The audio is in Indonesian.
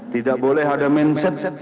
tidak boleh ada mindset